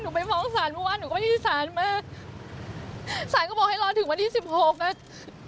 ไปฟ้องศาลเมื่อวานหนูก็ไปที่ศาลมากศาลก็บอกให้รอถึงวันที่สิบหกนะ